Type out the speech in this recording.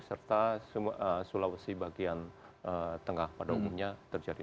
serta sulawesi bagian tengah pada umumnya terjadi